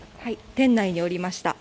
店内におりました。